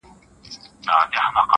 o ګلان راوړه سپرلیه د مودو مودو راهیسي,